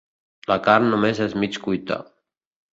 La carn només és mig cuita.